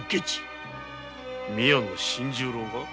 宮野新十郎が？